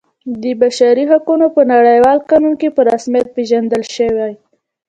د بشري حقونو په نړیوال قانون کې په رسمیت پیژندل شوی.